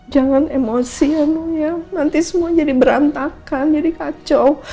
jangan emosi emang ya nanti semua jadi berantakan jadi kacau